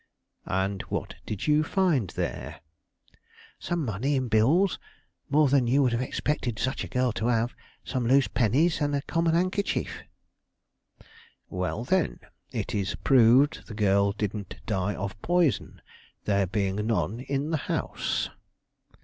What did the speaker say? "And what did you find there?" "Some money in bills, more than you would have expected such a girl to have, some loose pennies, and a common handkerchief." "Well, then, it is proved the girl didn't die of poison, there being none in the house."